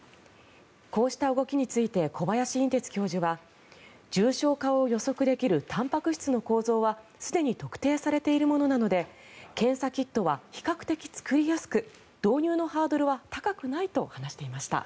こうした動きについて小林寅てつ教授は重症化を予測できるたんぱく質の構造はすでに特定されているものなので検査キットは比較的作りやすく導入のハードルは高くないと話していました。